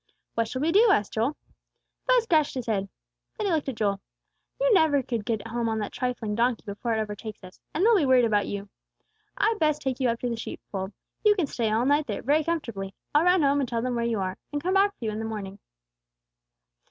"What shall we do?" asked Joel. Buz scratched his head. Then he looked at Joel. "You never could get home on that trifling donkey before it overtakes us; and they'll be worried about you. I'd best take you up to the sheep fold. You can stay all night there, very comfortably. I'll run home and tell them where you are, and come back for you in the morning."